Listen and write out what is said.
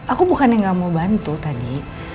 aku bukan yang gak mau bantu tadi